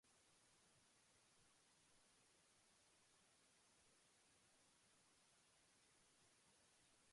Prolonged exposure to loud noise can lead to permanent hearing loss or tinnitus.